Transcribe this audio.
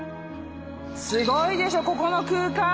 すごいでしょここの空間。